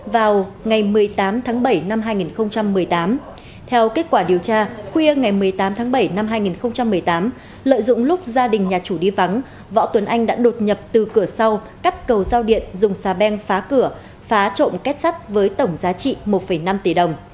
võ tuấn anh đã đột nhập từ cửa sau cắt cầu giao điện dùng xà beng phá cửa phá trộm kết sắt với tổng giá trị một năm tỷ đồng